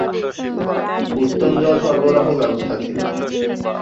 উত্তম জল সরবরাহ ব্যবস্থা ছিলো।